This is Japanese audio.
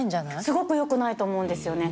すごくよくないと思うんですよね。